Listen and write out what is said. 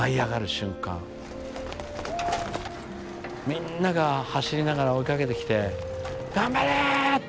みんなが走りながら追いかけてきて「頑張れ！」っていう。